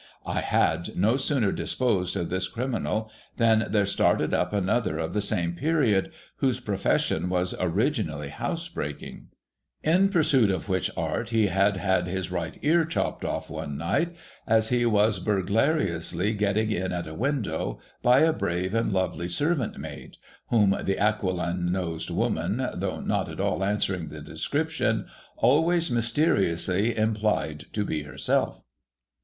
I had no sooner disposed of this criminal than there started up another of the same period, whose profession was originally housebreaking ; in the pursuit of which art he had had his right ear chopped off one night, as he was burglariously getting in at a window, by a brave and lovely servant maid (whom the aquiline nosed woman, though not at all answering the description, always mysteriously implied to be herself).